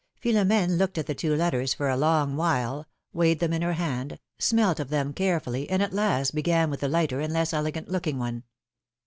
Philom^ne looked at the two letters for a long while, weighed them in her hand, smelt of them carefully, and at last began with the lighter and less elegant looking one.